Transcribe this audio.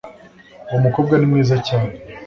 uwo mukobwa ni mwiza cyane